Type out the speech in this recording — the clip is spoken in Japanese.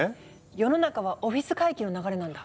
世の中はオフィス回帰の流れなんだ。